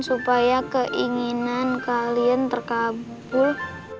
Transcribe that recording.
supaya keinginan kalian terkabul